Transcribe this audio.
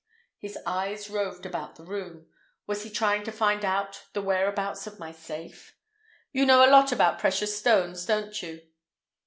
His eyes roved about the room. Was he trying to find the whereabouts of my safe? "You know a lot about precious stones, don't you?"